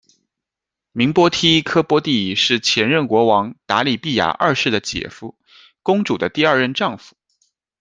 明波梯诃波帝是前任国王答里必牙二世的姐夫，公主的第二任丈夫。